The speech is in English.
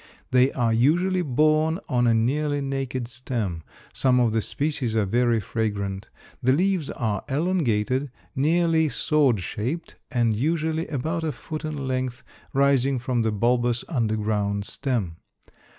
They are usually borne on a nearly naked stem. Some of the species are very fragrant. The leaves are elongated, nearly sword shaped and usually about a foot in length, rising from the bulbous underground stem.